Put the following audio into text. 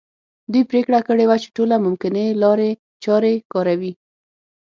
دوی پرېکړه کړې وه چې ټولې ممکنه لارې چارې کاروي.